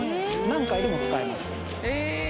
何回でも使えます